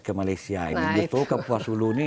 ke malaysia begitu kapuasulu ini